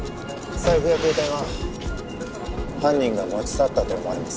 財布や携帯は犯人が持ち去ったと思われます。